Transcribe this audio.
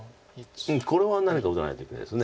これは何か打たないといけないです。